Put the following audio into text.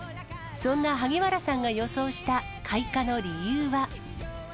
そんな萩原さんが予想した開花の理由は。